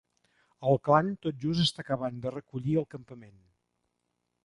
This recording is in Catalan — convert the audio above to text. El clan tot just està acabant de recollir el campament.